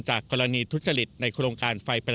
จากกรณีทุจจริตในโครงการ